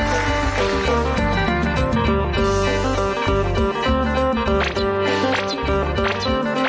สวัสดีค่ะ